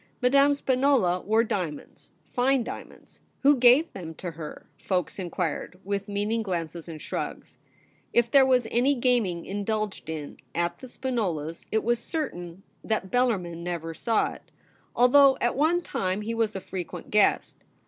Madame Spinola wore diamonds, fine diamonds. ' Who gave them to her }' folks inquired, with meaning glances and shrugs. If there was any gaming indulged in at the Spinolas', it is certain that MADAME SPIXOLA AT HOME. 107 Bellarmin never saw it ; although at one time he was a frequent guest.